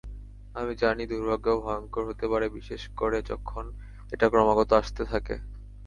আমি জানি দুর্ভাগ্য ভয়ংকর হতে পারে, বিশেষ করে যখন এটা ক্রমাগত আসতে থাকে।